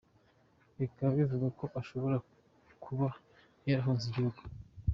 Bikaba bivugwa ko ashobora kuba yarahunze igihugu.